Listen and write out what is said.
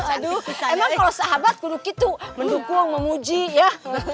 aduh emang kalau sahabat guru gitu mendukung memuji ya